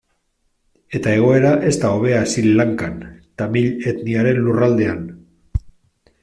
Eta egoera ez da hobea Sri Lankan, tamil etniaren lurraldean.